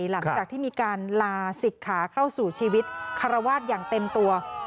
หลังจากที่มีการลาศิกขาเข้าสู่ชีวิตคารวาสอย่างเต็มตัว